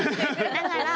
だから話。